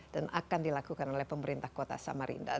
dan akan dilakukan oleh pemerintah kota samarinda